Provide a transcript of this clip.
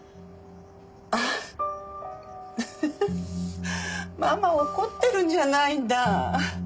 ああウフフママ怒ってるんじゃないんだ。